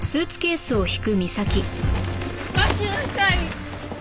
待ちなさい！